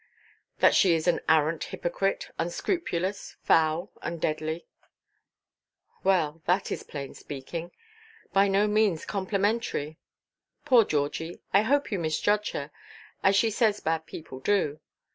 "That she is an arrant hypocrite, unscrupulous, foul, and deadly." "Well, that is plain speaking; by no means complimentary. Poor Georgie, I hope you misjudge her, as she says bad people do.